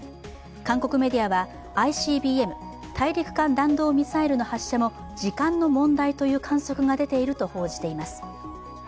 韓国メディアは、ＩＣＢＭ＝大陸間弾道ミサイルの発射も時間の問題という観測が出ていると報じています。